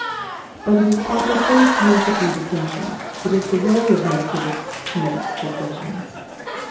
But it is proper first to make a few distinctions. It is the rôle of metaphysics to make distinctions.